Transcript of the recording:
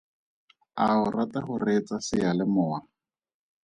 A o rata go reetsa seyalemowa?